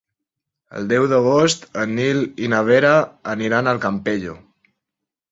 El deu d'agost en Nil i na Vera aniran al Campello.